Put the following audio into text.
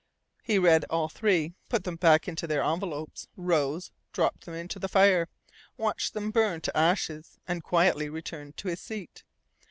He read all three, put them back into their envelopes, rose, dropped them into the fire, watched them burn to ashes, and quietly returned to his seat.